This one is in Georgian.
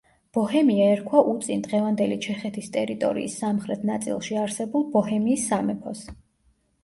ბოჰემია ერქვა უწინ დღევანდელი ჩეხეთის ტერიტორიის სამხრეთ ნაწილში არსებულ ბოჰემიის სამეფოს.